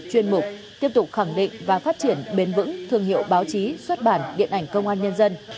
chuyên mục tiếp tục khẳng định và phát triển bền vững thương hiệu báo chí xuất bản điện ảnh công an nhân dân